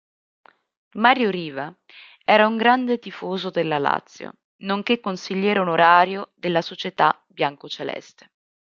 Mario Riva era un grande tifoso della Lazio, nonché consigliere onorario della società biancoceleste.